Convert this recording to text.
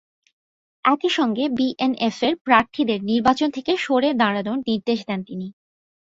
একই সঙ্গে বিএনএফের প্রার্থীদের নির্বাচন থেকে সরে দাঁড়ানোর নির্দেশ দেন তিনি।